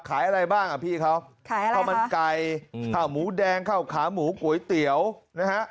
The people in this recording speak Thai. อะไรบ้างอ่ะพี่เขาขายข้าวมันไก่ข้าวหมูแดงข้าวขาหมูก๋วยเตี๋ยวนะฮะ